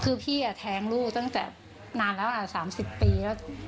คือพี่อ่ะแทงลูกตั้งแต่นานแล้วอ่ะสามสิบปีแล้ว